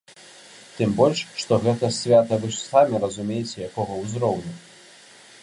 Тым больш, што гэта свята вы ж самі разумееце, якога ўзроўню!